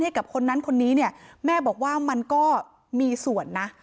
ให้กับคนนั้นคนนี้แม่บอกว่ามันก็มีส่วน